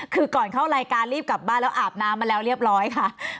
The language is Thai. คือก่อนเข้ารายการรีบกลับบ้านแล้วอาบน้ำมาแล้วเรียบร้อยค่ะ